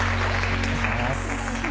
お願いします